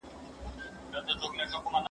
زه هره ورځ چپنه پاکوم،